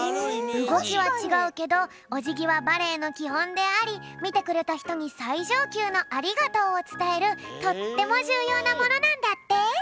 うごきはちがうけどおじぎはバレエのきほんでありみてくれたひとにさいじょうきゅうのありがとうをつたえるとってもじゅうようなものなんだって！